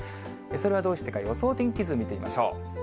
それはどうしてか、予想天気図見てみましょう。